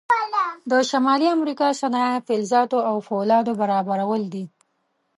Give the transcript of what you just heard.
د شمالي امریکا صنایع فلزاتو او فولادو برابرول دي.